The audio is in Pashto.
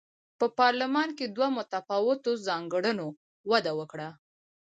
په پارلمان کې دوه متفاوتو ځانګړنو وده وکړه.